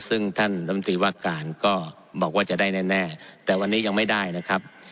ซึ่งท่านรัฐมนตรีว่าการก็บอกว่าจะได้แน่แต่วันนี้ยังไม่ได้นะครับ